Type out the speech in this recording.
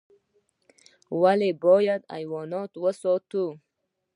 ولي بايد حيوانات وساتو؟